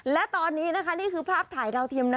และตอนนี้นะคะนี่คือภาพถ่ายดาวเทียมนะ